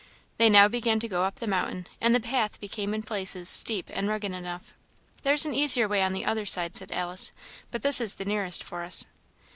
They now began to go up the mountain, and the path became in places steep and rugged enough. "There is an easier way on the other side," said Alice, "but this is the nearest for us."